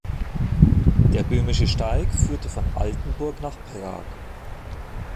Der Böhmische Steig führte von Altenburg nach Prag.